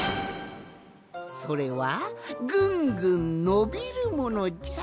それはぐんぐんのびるものじゃ。